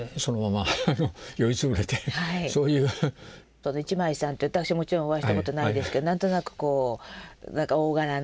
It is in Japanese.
その一枚さんって私もちろんお会いしたことないですけど何となくこうなんか大柄な。